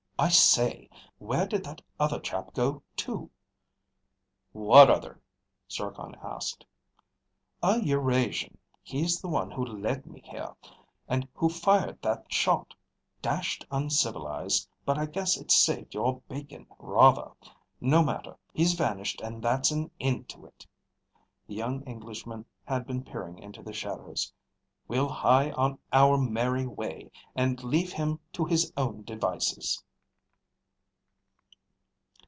"I say! Where did that other chap go to?" "What other?" Zircon asked. "A Eurasian. He's the one who led me here, and who fired that shot. Dashed uncivilized, but I guess it saved your bacon, rather. No matter. He's vanished and that's an end to it." The young Englishman had been peering into the shadows. "We'll hie on our merry way and leave him to his own devices."